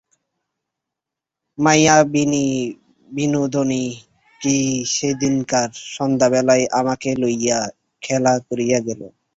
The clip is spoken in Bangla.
মায়াবিনী বিনোদিনী কি সেদিনকার সন্ধ্যাবেলায় আমাকে লইয়া খেলা করিয়া গেল।